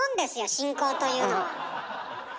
進行というのは。